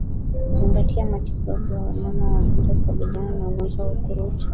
Zingatia matibabu ya wanyama wagonjwa kukabiliana na ugonjwa wa ukurutu